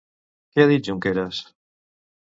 Què ha dit Junqueras?